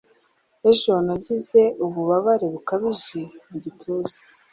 Ejo nagize ububabare bukabije mu gituza.